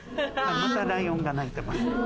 またライオンが鳴いてます。